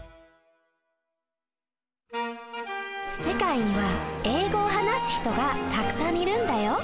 世界には英語を話す人がたくさんいるんだよ。